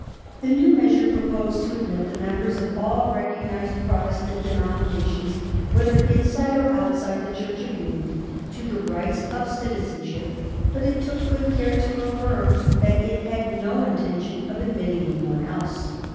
The new measure proposed to admit the members of all recognized Protestant denominations, whether inside or outside the Church of England, to the rights of citizenship, but it took good care to affirm that it had no intention of admitting any one else.